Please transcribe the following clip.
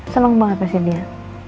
seneng banget pasti dia